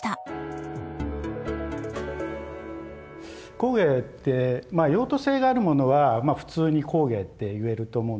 工芸ってまあ用途性があるものは普通に工芸って言えると思うんですよね。